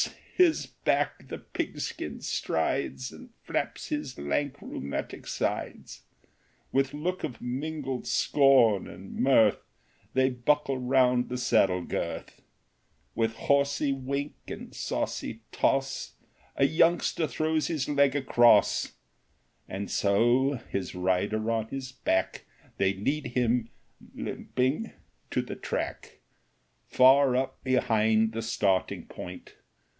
his back the pig skin strides And flaps his lank, rheumatic sides ; With look of mingled scorn and mirth They buckle round the saddle girth i With horsey wink and saucy toss A youngster throws his leg across, And so, his rider on his back, They lead him, limping, to the track, Far up behind the starting point.